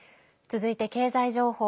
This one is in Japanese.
続いて経済情報。